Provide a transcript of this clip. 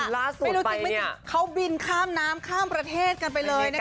ไม่รู้จริงไม่จริงเขาบินข้ามน้ำข้ามประเทศกันไปเลยนะคะ